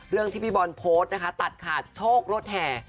เรื่องที่พี่บอลโพสต์นะคะตัดขาดโชครถแถ